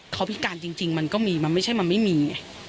เขาพิการจริงมันก็มีมันไม่ใช่มันไม่มีไง